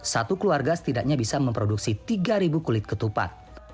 satu keluarga setidaknya bisa memproduksi tiga kulit ketupat